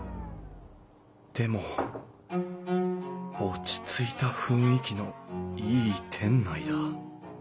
でも落ち着いた雰囲気のいい店内だ。